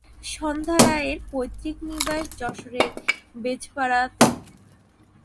সন্ধ্যা রায়ের পৈতৃক নিবাস যশোরের বেজপাড়াতে।